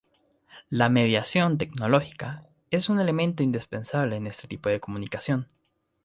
La mediación tecnológica es un elemento indispensable en este tipo de comunicación.